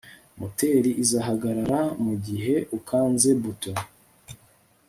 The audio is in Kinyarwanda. Moteri izahagarara mugihe ukanze buto